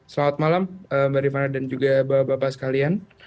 selamat malam mbak rifana dan juga bapak bapak sekalian